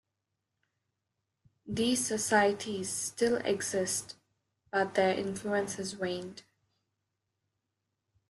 These societies still exist, but their influence has waned.